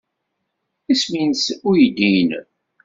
Isem-nnes uydi-nnem?